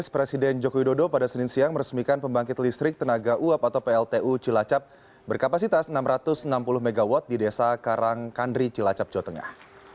presiden joko widodo pada senin siang meresmikan pembangkit listrik tenaga uap atau pltu cilacap berkapasitas enam ratus enam puluh mw di desa karangkandri cilacap jawa tengah